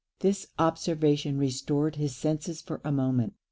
This observation restored his senses for a moment.